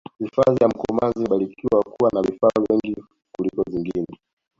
hifadhi ya mkomazi imebarikiwa kuwa na vifaru wengi kuliko zingine